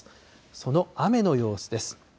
その雨の様子です。